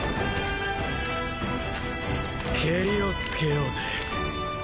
けりをつけようぜ。